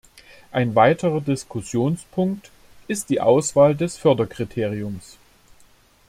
Ein weiterer Diskussionspunkt ist die Auswahl des Förderkriteriums.